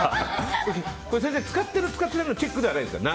先生、使っている使っていないのチェックじゃないんですか？